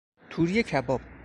توری کباب